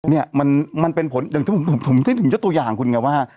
เนี่ยมันมันเป็นผลอย่างก็ผมยังจุดอย่างคุณงี้ว่า